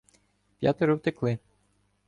П'ятеро втекли.